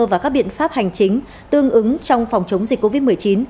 và các biện pháp hành chính tương ứng trong phòng chống dịch covid một mươi chín